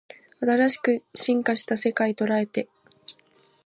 新しく進化した世界捉えて